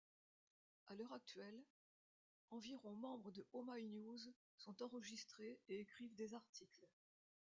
À l'heure actuelle, environ membres de OhmyNews sont enregistrés et écrivent des articles.